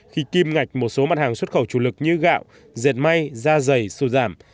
khi kim ngạch một số mặt hàng xuất khẩu chủ lực như gạo dẹt may da dày sô giảm